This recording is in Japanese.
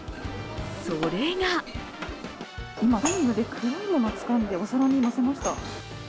それが今、トングで黒いものをつかんでお皿にのせました。